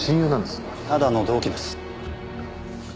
ただの同期です。